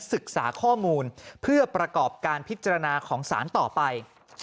ศึกษาข้อมูลเพื่อประกอบการพิจารณาของสารต่อไป